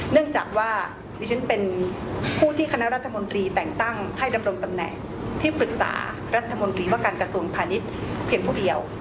เนื่องจากว่าดิฉันเป็นผู้ที่คณะรัฐมนตรีแต่งตั้งให้ดำรงตำแหน่งที่ปรึกษารัฐมนตรีว่าการกระทรวงพาณิชย์เพียงผู้เดียว